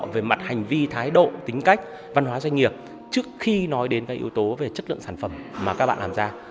về mặt hành vi thái độ tính cách văn hóa doanh nghiệp trước khi nói đến các yếu tố về chất lượng sản phẩm mà các bạn làm ra